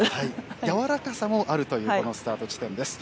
やわらかさもあるというこのスタート地点です。